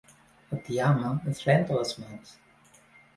La tiama es renta les mans.